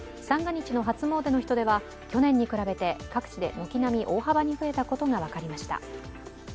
三が日の初詣の人出は去年に比べ、各地で軒並み大幅に増えたことが分かりました。